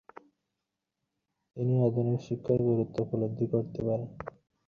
তিনি আধুনিক শিক্ষার গুরুত্ব উপলব্ধি করতে পারেন।